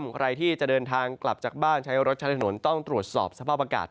ใครที่จะเดินทางกลับจากบ้านใช้รถใช้ถนนต้องตรวจสอบสภาพอากาศ